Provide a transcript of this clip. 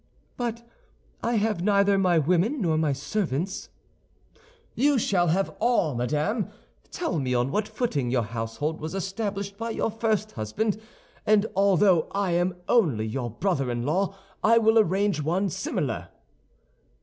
"But I have neither my women nor my servants." "You shall have all, madame. Tell me on what footing your household was established by your first husband, and although I am only your brother in law, I will arrange one similar."